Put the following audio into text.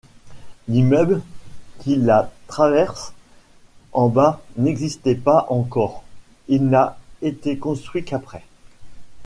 L'immeuble qui la traverse en bas n'existait pas encore, il n'a été construit qu'après.